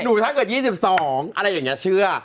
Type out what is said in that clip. ถ้าเกิด๒๒อะไรอย่างนี้เชื่อ